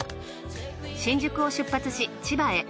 新宿を出発し千葉へ。